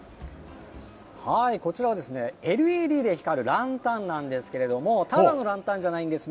こちらはＬＥＤで光るランタンなんですけれども、ただのランタンじゃないんです。